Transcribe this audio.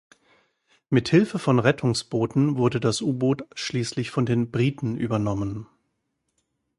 Mit Hilfe von Rettungsbooten wurde das U-Boot schließlich von den Briten übernommen.